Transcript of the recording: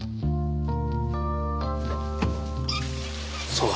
そうだ。